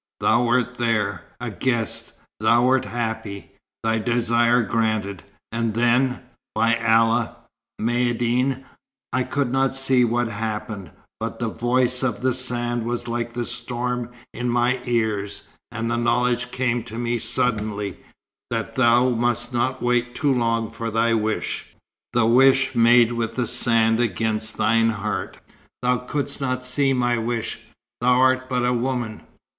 Thou wert there, a guest. Thou wert happy, thy desire granted, and then by Allah, Maïeddine, I could not see what happened; but the voice of the sand was like a storm in my ears, and the knowledge came to me suddenly that thou must not wait too long for thy wish the wish made with the sand against thine heart." "Thou couldst not see my wish. Thou art but a woman."